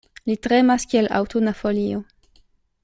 Li tremas kiel aŭtuna folio.